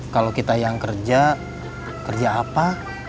kalau kita yang kerja kerja apa